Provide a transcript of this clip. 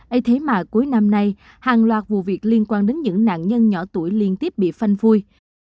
ai thế mà cuối năm nay hàng loạt vụ việc liên quan đến những nạn nhân nhỏ tuổi liên tiếp bị phanh phui